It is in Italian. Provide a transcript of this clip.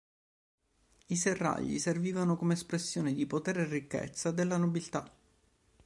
I serragli servivano come espressione di potere e ricchezza della nobiltà.